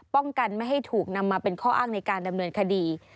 ป้องกันไม่ให้ถูกนำมาเป็นข้ออ้างในการดำเนินคดี